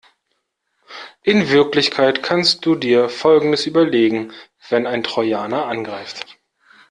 In Wirklichkeit kannst du dir folgendes überlegen wenn ein Trojaner angreift.